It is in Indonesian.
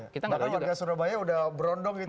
maka warga surabaya udah berondong kita